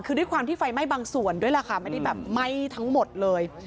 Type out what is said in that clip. คือด้วยความที่ไฟไหม้บางส่วนด้วยล่ะค่ะไม่ได้แบบไหม้ทั้งหมดเลย